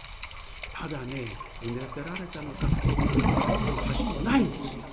ただね埋め立てられたのか川も橋もないんですよ。